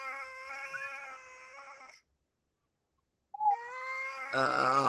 野狗与缅甸蟒蛇是赤麂的主要天敌。